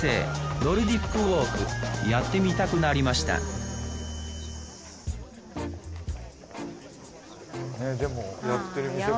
ノルディック・ウォークやってみたくなりましたでもやってる店も。